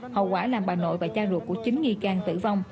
hậu quả là bà nội và cha ruột của chính nghi can tử vong